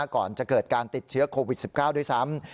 ก่อนจะเกิดการติดเชื้อโควิด๑๙ด้วยซ้ำ